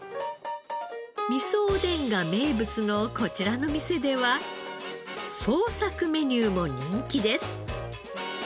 味噌おでんが名物のこちらの店では創作メニューも人気です。